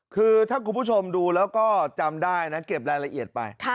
คือถ้าคุณผู้ชมดูแล้วก็จำได้นะเก็บรายละเอียดไป